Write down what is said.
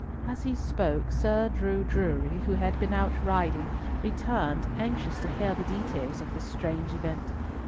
As he spoke, Sir Drew Drury, who had been out riding, returned, anxious to hear the details of this strange event.